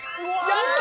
やった！